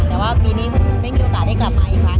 แต่ว่าปีนี้เพิ่งมีโอกาสให้กลับกลับใหม่อีกครั้ง